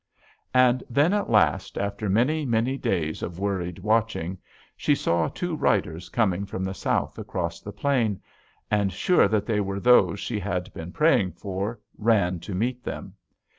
"And then, at last, after many, many days of worried watching, she saw two riders coming from the south across the plain, and, sure that they were those she had been praying for, ran to meet them.